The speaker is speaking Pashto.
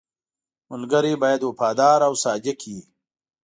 • ملګری باید وفادار او صادق وي.